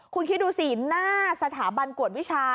คุณคิดดูสิหน้าสถาบันกวดวิชา